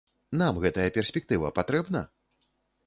Нам гэтая перспектыва патрэбна?